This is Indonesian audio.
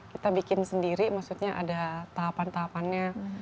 kita bikin sendiri maksudnya ada tahapan tahapannya